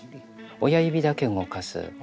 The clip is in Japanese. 親指だけ動かす。